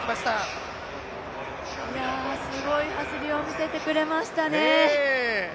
すごい走りを見せてくれましたね。